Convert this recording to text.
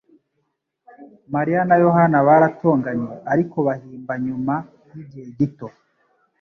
Mariya na Yohana baratonganye, ariko bahimba nyuma yigihe gito.